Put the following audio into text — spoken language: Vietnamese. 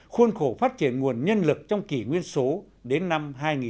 khuôn khổ phát triển nguồn nhân lực trong kỷ nguyên số đến năm hai nghìn hai mươi